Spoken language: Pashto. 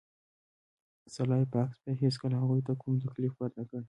سلای فاکس بیا هیڅکله هغوی ته کوم تکلیف ورنکړ